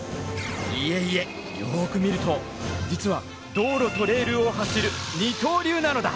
いえいえよく見ると実は道路とレールを走る二刀流なのだ。